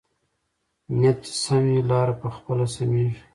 نیت چې سم وي، لاره پخپله سمېږي.